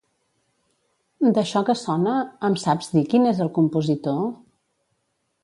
D'això que sona, em saps dir qui n'és el compositor?